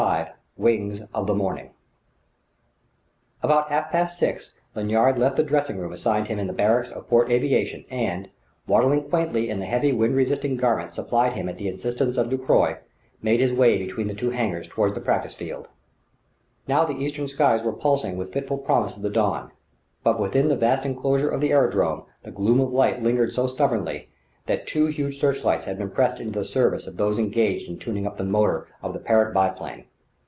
XXV WINGS OF THE MORNING About half past six Lanyard left the dressing room assigned him in the barracks at Port Aviation and, waddling quaintly in the heavy wind resisting garments supplied him at the instance of Ducroy, made his way between two hangars toward the practice field. Now the eastern skies were pulsing with fitful promise of the dawn; but within the vast enclosure of the aerodrome the gloom of night lingered so stubbornly that two huge search lights had been pressed into the service of those engaged in tuning up the motor of the Parrott biplane.